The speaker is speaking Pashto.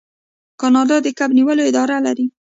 کاناډا د کب نیولو اداره لري.